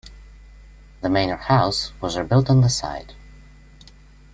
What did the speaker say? The manor house was rebuilt on the site.